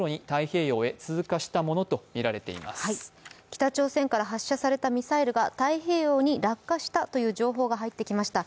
北朝鮮から発射されたミサイルが太平洋に落下したという情報が入ってきました。